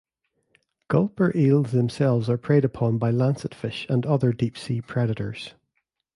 Gulper eels themselves are preyed upon by lancet fish and other deep sea predators.